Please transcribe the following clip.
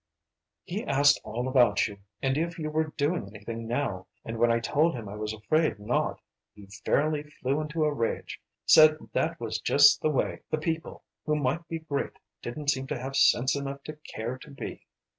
He asked all about you, and if you were doing anything now, and when I told him I was afraid not he fairly flew into a rage, said that was just the way the people who might be great didn't seem to have sense enough to care to be."